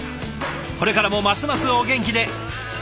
これからもますますお元気で！